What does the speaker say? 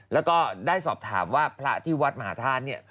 แล้วก็ได้สอบถามว่าพระที่วัดมหาธาตุเนี่ย